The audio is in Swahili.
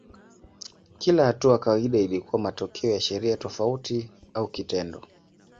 Kila hatua kawaida ilikuwa matokeo ya sheria tofauti au kitendo.